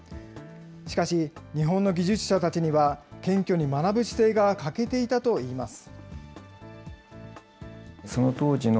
しかし、日本の技術者たちには、謙虚に学ぶ姿勢が欠けていたといいます。